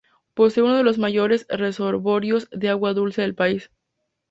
Posee uno de los mayores reservorios de agua dulce del país.